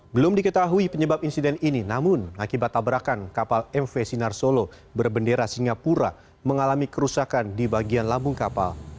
belum diketahui penyebab insiden ini namun akibat tabrakan kapal mv sinar solo berbendera singapura mengalami kerusakan di bagian lambung kapal